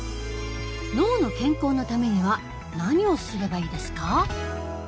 脳の健康のためには何をすればいいですか？